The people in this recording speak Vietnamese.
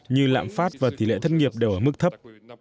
như lạm phát và tỷ lệ thất nghiệp đều ở mức thấp